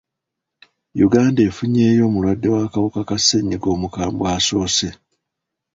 Uganda efunyeyo omulwadde w'akawuka ka ssenyiga omukambwe asoose.